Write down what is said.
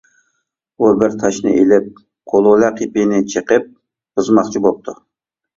ئۇ بىر تاشنى ئېلىپ، قۇلۇلە قېپىنى چېقىپ بۇزماقچى بوپتۇ.